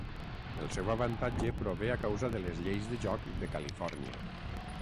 El seu avantatge prové a causa de les lleis de joc de Califòrnia.